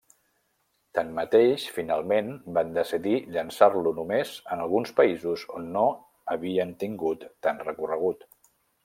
Tanmateix, finalment van decidir llançar-lo només en alguns països on no havien tingut tan recorregut.